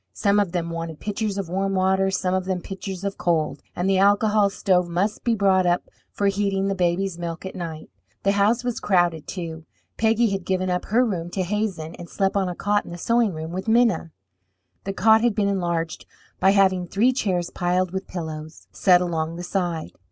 Some of them wanted pitchers of warm water, some of them pitchers of cold, and the alcohol stove must be brought up for heating the baby's milk at night. The house was crowded, too. Peggy had given up her room to Hazen, and slept on a cot in the sewing room with Minna. The cot had been enlarged by having three chairs piled with pillows, set along the side.